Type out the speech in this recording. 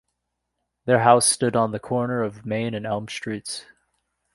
Their house stood on the corner of Main and Elm Streets.